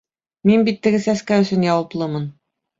Мин бит теге сәскә өсөн яуаплымын.